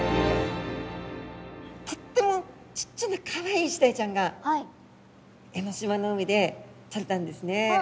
とってもちっちゃなかわいいイシダイちゃんが江の島の海でとれたんですね。